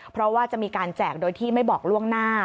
เพราะว่าจะมีการแจกโดยที่ไม่บอกล่วงหน้า